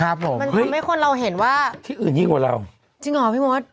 ครับผมมันทำให้คนเราเห็นว่าที่อื่นยิ่งกว่าเราจริงเหรอพี่มด